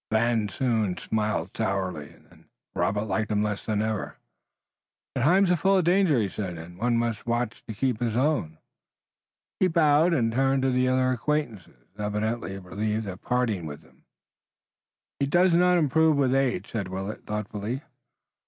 Van Zoon smiled sourly, and then Robert liked him less than ever. "The times are full of danger," he said, "and one must watch to keep his own." He bowed, and turned to other acquaintances, evidently relieved at parting with them. "He does not improve with age," said Willet thoughtfully.